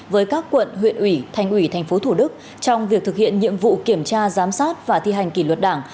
với các quận huyện ủy thành ủy tp thủ đức trong việc thực hiện nhiệm vụ kiểm tra giám sát và thi hành kỷ luật đảng